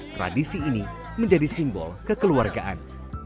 tradisi ini menjadi simbol kekeluargaan